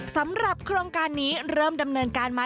สำหรับโครงการนี้เริ่มดำเนินการมา